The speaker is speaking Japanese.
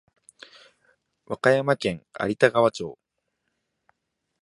和歌山県有田川町